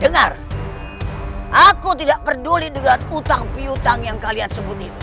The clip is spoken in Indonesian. dengar aku tidak peduli dengan utang piutang yang kalian sebut itu